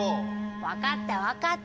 分かった分かった。